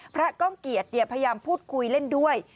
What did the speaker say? ก้องเกียจพยายามพูดคุยเล่นด้วย